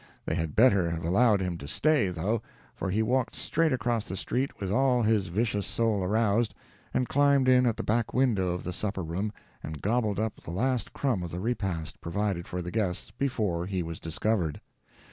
They had better have allowed him to stay, though, for he walked straight across the street, with all his vicious soul aroused, and climbed in at the back window of the supper room and gobbled up the last crumb of the repast provided for the guests, before he was discovered.